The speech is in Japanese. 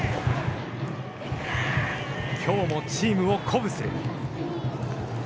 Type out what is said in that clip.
きょうもチームを鼓舞する。